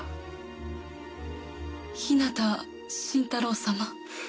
日向新太郎様？